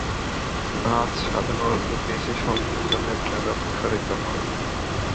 ভাঁজ সাধারণত পেশী সংকোচনের দ্বারা প্ররোচিত হয়।